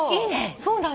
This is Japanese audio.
そうなんですよ。